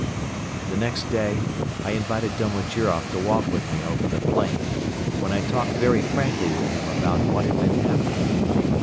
The next day I invited Domojiroff to walk with me over the plain, when I talked very frankly with him about what had been happening.